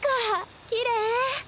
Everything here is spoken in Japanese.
きれい。